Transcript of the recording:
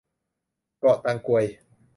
เกาะตังกวย